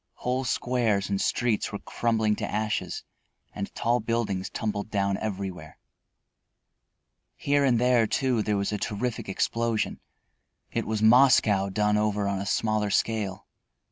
Whole squares and streets were crumbling to ashes and tall buildings tumbled down everywhere. Here and there, too, there was a terrific explosion. It was Moscow done over on a smaller scale.